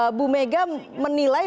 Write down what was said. ibu megawati menilai